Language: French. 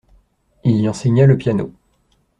Il y enseigna le piano.